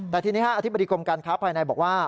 แต่ทีนี้อธิบดีกรมการค้าภายในบอกว่า